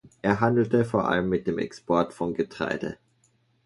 Er handelte vor allem mit dem Export von Getreide.